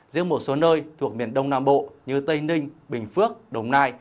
riêng một số nơi thuộc miền đông nam bộ như tây ninh bình phước đồng nai